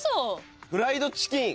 フライドチキン。